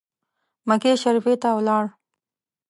مکې شریفي ته ولاړ.